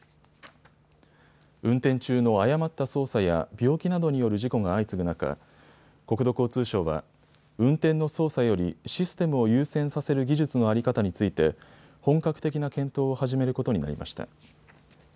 運転中の誤った操作や病気などによる事故が相次ぐ中、国土交通省は運転の操作よりシステムを優先させる技術の在り方について本格的な検討を始めることになりました。